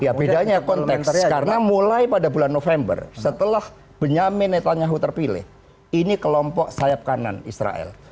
ya bedanya konteks karena mulai pada bulan november setelah benyamin netanyahu terpilih ini kelompok sayap kanan israel